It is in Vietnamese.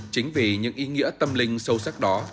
chính vì những ý nghĩa tâm linh sâu sắc đó